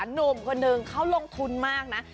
หนุ่มคนหนึ่งเขาลงทุนมากนะ